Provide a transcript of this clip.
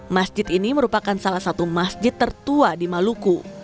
masjid ini merupakan salah satu masjid tertua di maluku